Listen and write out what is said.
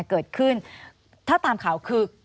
เกิดขึ้นถ้าตามข่าวคือ